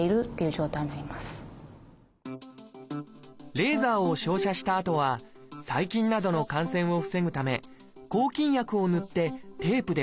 レーザーを照射したあとは細菌などの感染を防ぐため抗菌薬を塗ってテープで保護します。